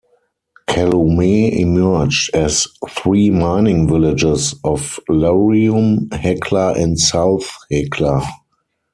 Calumet emerged as three mining villages of Laurium, Hecla and South Hecla.